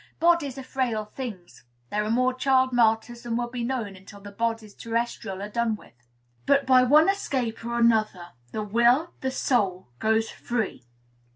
Bodies are frail things; there are more child martyrs than will be known until the bodies terrestrial are done with. But, by one escape or another, the will, the soul, goes free.